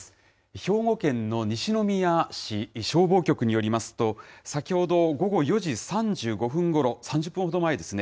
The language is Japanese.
兵庫県の西宮市消防局によりますと、先ほど午後４時３５分ごろ、３０分ほど前ですね。